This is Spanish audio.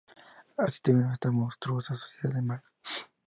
Así terminó esta ""Monstruosa Sociedad del Mal"".